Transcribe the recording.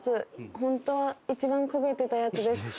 本当は一番焦げてたやつです。